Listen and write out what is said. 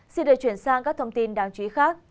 xin được chuyển sang các thông tin đáng chú ý khác